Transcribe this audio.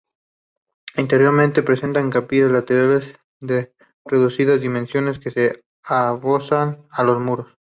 Interiormente presenta capillas laterales de reducidas dimensiones que se adosan a los muros.